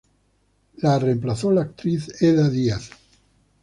La reemplazó la actriz Edda Díaz.